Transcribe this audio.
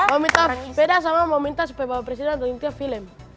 mau minta sepeda sama mau minta sepeda bapak presiden minta film